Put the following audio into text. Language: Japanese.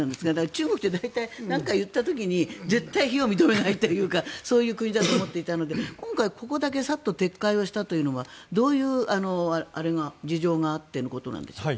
中国って大体、何か言った時に絶対に非を認めないというかそういう国だと思っていたので今回、ここだけさっと撤回をしたというのはどういう事情があってのことなんですか？